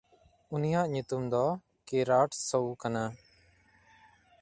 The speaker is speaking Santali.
ᱩᱱᱤᱭᱟᱜ ᱧᱩᱛᱩᱢ ᱫᱚ ᱠᱤᱨᱟᱴᱥᱚᱣ ᱠᱟᱱᱟ᱾